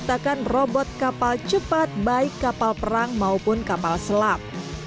sertakan robot kapal cepat baik kapal perang maupun kapal selam